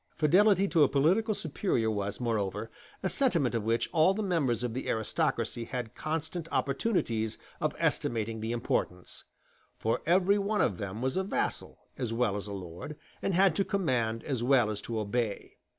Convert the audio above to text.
Fidelity to a political superior was, moreover, a sentiment of which all the members of the aristocracy had constant opportunities of estimating the importance; for every one of them was a vassal as well as a lord, and had to command as well as to obey.